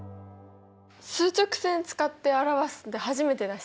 数直線使って表すって初めてだしさ。